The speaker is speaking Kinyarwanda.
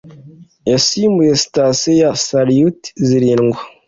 yasimbuye sitasiyo ya Salyut zirindwa